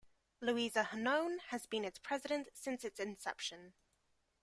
Louisa Hanoune has been its president since its inception.